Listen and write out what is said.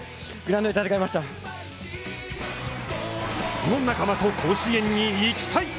この仲間と甲子園に行きたい！